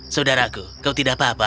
saudaraku kau tidak apa apa